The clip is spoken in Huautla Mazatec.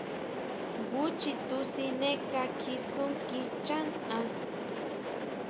Jngu chitu siné kakji sún kicha nhán.